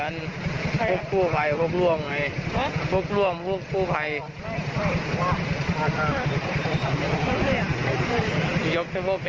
นี้ครับ